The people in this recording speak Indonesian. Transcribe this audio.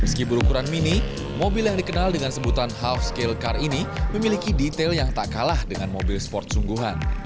meski berukuran mini mobil yang dikenal dengan sebutan health scale car ini memiliki detail yang tak kalah dengan mobil sport sungguhan